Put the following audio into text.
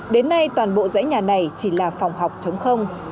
đến nay toàn bộ dãy nhà này chỉ là phòng học chống không